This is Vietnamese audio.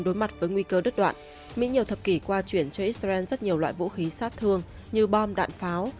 đối mặt với nguy cơ đứt đoạn mỹ nhiều thập kỷ qua chuyển cho israel rất nhiều loại vũ khí sát thương như bom đạn pháo